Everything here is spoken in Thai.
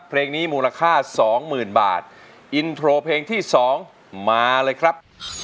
เพลงนี้มูลค่าสองหมื่นบาทอินโทรเพลงที่๒มาเลยครับ